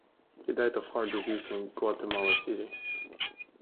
He died of heart disease in Guatemala City.